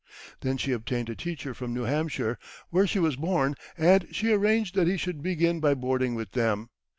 Then she obtained a teacher from New Hampshire, where she was born, and she arranged that he should begin by boarding with them.